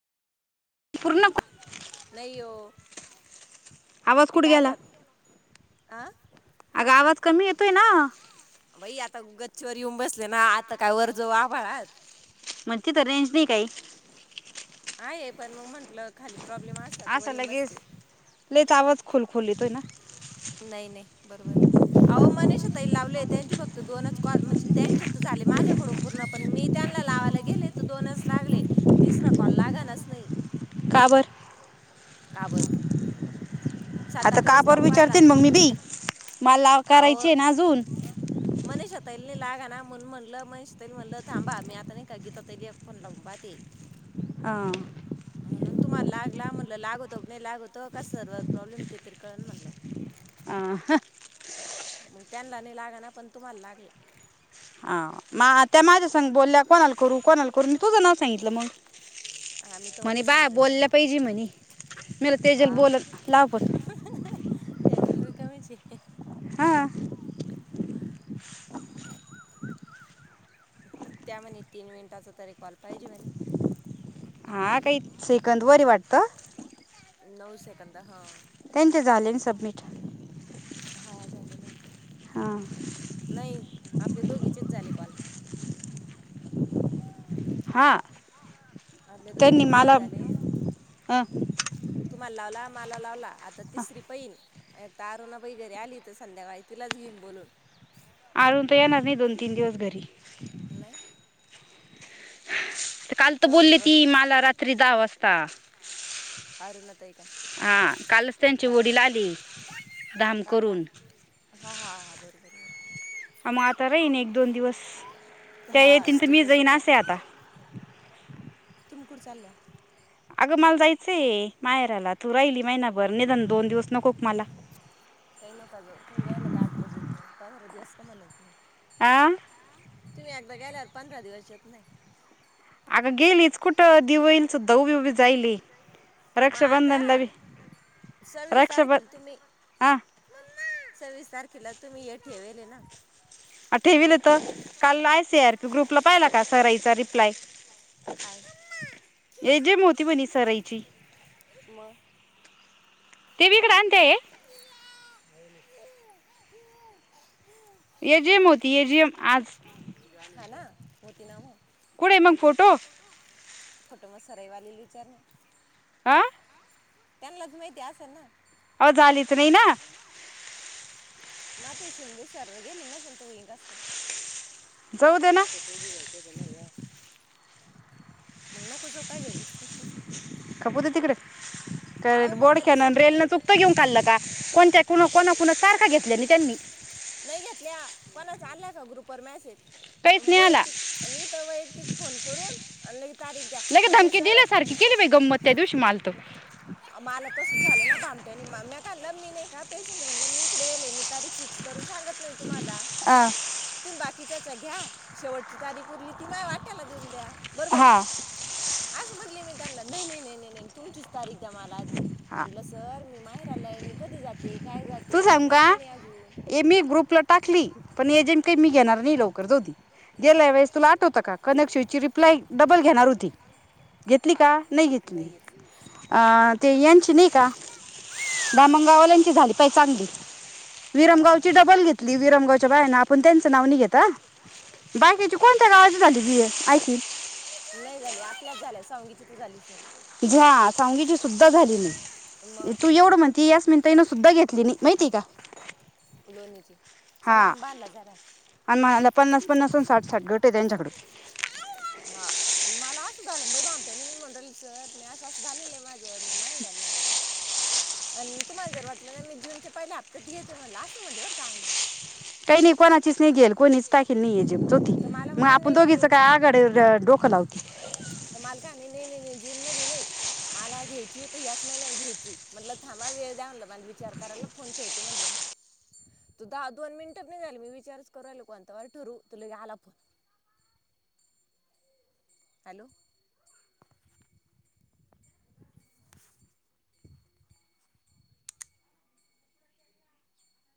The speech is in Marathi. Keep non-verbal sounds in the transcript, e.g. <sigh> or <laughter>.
पूर्ण नाही ओ आवाज कुठे गेला? आ अग आवाज कमी येतोय ना. बाई आता गच्चीवर येऊन बसले ना आत मगं तिथं रेंज नाही काही. हय पण म्हन खाली प्रॉब्लेम असला त वर असा येऊन लगेच बसते. लयच आवाज खोल खोल येतोय ना नाही नाही बरोबर अहो मनीषाताईला लावले त्यांची फक्त दोनच कॉल म्हणजे त्यांचे तर झाले माझ्याकडून पूर्ण पण मी त्यांना लावायला गेले तर दोनच लागले तिसरा कॉल लागलाच नाही. का बर का बरं सात आता आठ का वेळेस बर लावून पाहिला विचारतीन, मंग मीबी माला काराचे ना अजून. तैंले लागा नां म्हणून म्हणलं मणिषाताईला म्हणलं थांबा मी आता नाही का गीताताईला एक फोन लावून पाहते. हां म्हणून तुम्हाला लागला म्हणल लागवतो क नाही लागवतो कस सर प्रॉब्लेम ते तरी कळंन म्हटलं. आं मग त्यांला नाही लागाना पण तुम्हाला लागला. अं. मा हात- मी तुझं नाव सांगितलं मग हां मी तवा म्हणे तेचना बाय रिकामी बोलल्या पाहिजे म्हणे मला तेजल हां बोल लाव पण तेजल रिकामीचहे. हां. त्यां म्हणे तीन मिनिटांचा तरी कॉल पाहिजे म्हणे. हां काही सेकंदवरी वाटत. नऊ सेकंद हां. कालचे झाले ना सबमिट. झाल्यान वाटत. हां. आपले दोघीचेच झाले काॅल. <inaudible> हां त्यांनी नी दोघीचेच कॉल माला झाले अं तुम्हांला लावला, माला लावला. आता तिसरी पईन एकता अरूणा बैगैरे आली तर संध्याकाळी तिलाच घेऊन बोलून. अरुन ताई येणार नाही दोन-तीन दिवस घरी. नाही काल तर बोलली ती माला रात्री दहा वाजता <inaudible> अरुणाताई का हां कालच त्यांची का वडील आले. धाम काला करून. हा हा हा बरोबर बरोबर आं मता राहीन एक दोन दिवस, त्या हा येतीन तर मी जाईन असे आता. तुम कूट चाल्या? <inaudible> अगं मला जायचंय माहेराला तू राहिली महिनाभर निदान दोन दिवस नको का मला ताई नका जाऊ, तूम्ही <unintelligible> आठ रजत पंधरा दिवस काय म्हणत नाहीत. आं तुम्ही एकदा गेल्यावर पंधरा दिवस येत नाही. अगं गेलीच कुंठ दिवळील सुद्धा उभी उभी जाईलेय. मं आतां सव्वीस रक्षाबं तारखेल तुम्ही हा सव्वीस तारखेला तुम्ही हे ठेवेले ना? आं ठेविलत त काल आ सी आर पी ग्रुपला पाहिला का सराईचा रिप्लाय. काय <inaudible> येजीम होती म्हणे. सराईची मग ते बी हिकडं आण ते. ए जी एम होती ए जी एम आज. पोती नाम कुट आहे मग फोटो? फोटो मग सराईवाले ली चल ना. आ. त्यांलाच माहित असल ना. आज आलीच नाही ना. म ते शींदे सर गेले ना संतू <unintelligible> असं. जाऊ दे ना. म नको जाऊ काय घरी. खपुदे तिकड काय अहो मी बोडख्यान त्याच्यासाठी रेल नं चुकतं घेऊन खाल्ल का कोणत्या कुणा कोणाकुणा सारखा घेतल्या नाही त्यांनी. नाही घेतल्या कोणाचा आलाय का ग्रुप वर मॅसेज. काहीच नाही व्हय आला ती आणि हीत वैयक्तिक फोन करून आणि. तारीख द्या लगेच म्हटलं धमकी सर, दिल्यासारखी केली बाई गंमत त्या दिवशी माल तो मला तस झालं ना. आणि माम्या का आणला मी नाही का पेशंट म्हणलं मी इडेेलेय मी तारीख फिक्स करून सांगत नाही. तुम्हाला, हा तुम बाकी किच्याच्या घ्या शेवटची तारीख उरली ती माया वाट्याला देऊन द्या. बरोबर का. असं म्हणले मी त्यांना नाही नाही नाही नाही तुमचीच तारीख दया मला आधी. हा म्हटलं सर मी माही लाय मी कधी जाते. काय तू जाते सांग का नक्की नाही अजून ए मी ग्रुपला टाकली पण एजेंट काही मी घेणार नाही लवकर जाऊदे, गेल्या वेळेस तुला आठवत का कनक्शिची रिप्लाय डबल घेणार. होती, घेतली हा का नाही घेतली, आ ते यांची नाही का, दामंगवाल्यांची झाली. का चांगली हा ना ना विरमगावची डबल घेतली विरमगावच्या बायांना आपण त्यांच नाव नि घेत बाकेची कोणत्या गावाज झाली ऐकि झाले आपल्याच झाल्या सांगीची तर झालीच नाही. घ्या सांगीची सुद्धा झाली नाही, तू मग एवढं म्हणती यास्मिनताई ना सुद्धा घेतली नाही माहिती आहे का, लोणीची सण हा आंबानला झाला आणि म्हणाला पन्नास पन्नास साठ साठ घट आहेत त्यांच्याकडे. हा आणि मला असं झालं बामट्यानी मी म्हणल सर मी असं असं झालेलंय माझं मी माहीर आलंय आणि तुम्हाला जर वाटलं ना मी जूनच्या पहिल्या हप्त्यात घेते म्हणलं असू म्हणज बरं चांगलं. काही नाही कोणाचीच नाही घेल कोणीच टाखल नाही चौथी तर मग आपण दोघीच काय आगाड्या मालका नाही नाही. जून मध नाही मला घ्यायची तर याच महिन्यात घ्यायची म्हटलं थांबा वेळ द्या म्हला मला विचार करायला फोन ठेवते म्हणले मी तू दहा दोन मिनिट नाही झाली मी विचारच करूयला कोनता वार ठरवू तुला फोन. हॅलो.